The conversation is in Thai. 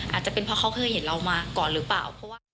อาจจะเป็นเพราะเขาเคยเห็นเรามาก่อนหรือเปล่า